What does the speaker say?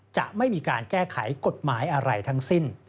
จะไม่มีการแก้ไขกฎหมายอะไรทั้งสิ้น